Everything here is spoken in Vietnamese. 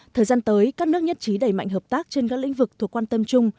thời gian tới các nước nhất trí đẩy mạnh hợp tác trên các lĩnh vực thuộc quan tâm chung